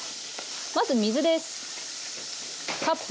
まず水です。